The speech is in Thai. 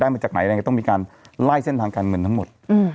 ได้มาจากไหนต้องมีการไล่เส้นทางการเงินทั้งหมด